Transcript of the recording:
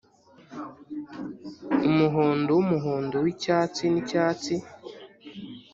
umuhondo wumuhondo wicyatsi nicyatsi